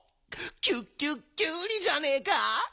キュッキュッキュウリじゃねえか！